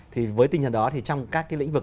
thì với tình hình đó thì trong các cái lĩnh vực